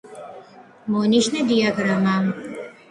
მონიშნე დიაგრამა